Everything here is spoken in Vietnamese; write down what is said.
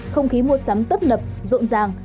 không khí mua sắm tấp nập rộn ràng